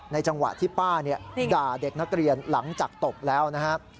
จังหวะที่ป้าด่าเด็กนักเรียนหลังจากตบแล้วนะครับ